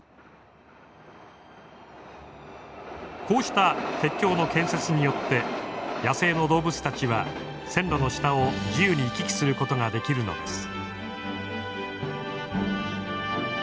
こうした鉄橋の建設によって野生の動物たちは線路の下を自由に行き来することができるのです。